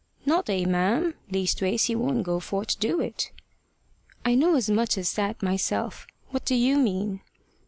"Not he, ma'am. Leastways he won't go for to do it." "I know as much as that myself. What do you mean?"